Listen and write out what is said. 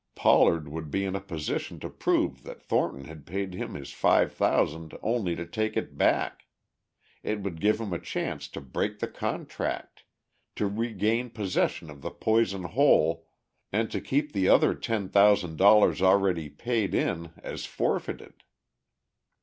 Pollard would be in a position to prove that Thornton had paid him this five thousand only to take it back; it would give him a chance to break the contract, to regain possession of the Poison Hole and to keep the other ten thousand dollars already paid in as forfeited....